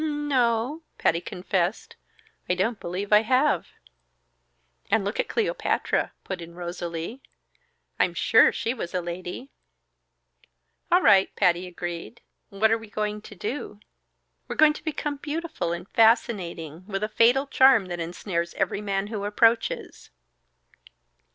"N no," Patty confessed. "I don't believe I have." "And look at Cleopatra," put in Rosalie. "I'm sure she was a lady." "All right!" Patty agreed. "What are we going to do?" "We're going to become beautiful and fascinating, with a fatal charm that ensnares every man who approaches."